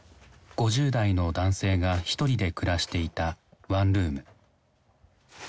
５０代の男性がひとりで暮らしていたワンルーム。